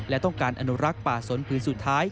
และต้องการอนุรักษ์ป่าสนพื้นสุดท้าย